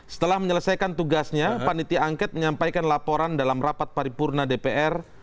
setelah menyelesaikan tugasnya panitia angket menyampaikan laporan dalam rapat paripurna dpr